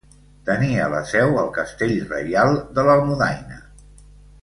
Tenia la seu al castell reial de l'Almudaina.